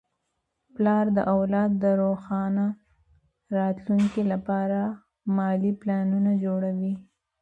پلار د اولاد د روښانه راتلونکي لپاره مالي پلانونه جوړوي.